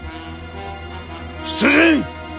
出陣！